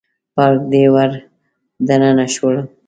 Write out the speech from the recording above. پارک ته ور دننه شولو.